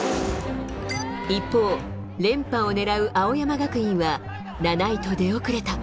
一方、連覇を狙う青山学院は、７位と出遅れた。